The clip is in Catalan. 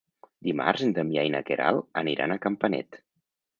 Dimarts en Damià i na Queralt aniran a Campanet.